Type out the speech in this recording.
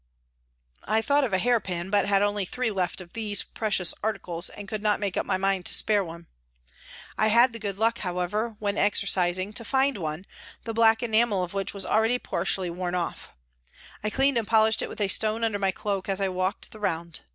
I thought of a hairpin but had only three left of these precious articles and could not make up my mind to spare one. I had the good luck, however, while exercising, to find one, the black enamel of which was already partially worn off. I cleaned and polished it with a stone under my cloak as I walked the round.